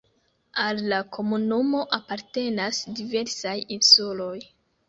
Al la komunumo apartenas diversaj insuloj.